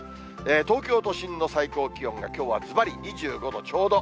東京都心の最高気温がきょうはずばり２５度ちょうど。